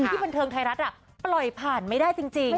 ที่บันเทิงไทยรัฐปล่อยผ่านไม่ได้จริง